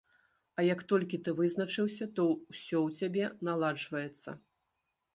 А як толькі ты вызначыўся, то ўсё ў цябе наладжваецца.